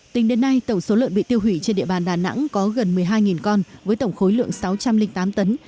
tính đến nay tổng số lợn bị tiêu hủy trên địa bàn đà nẵng có gần một mươi hai con với tổng khối lượng sáu trăm linh tám tấn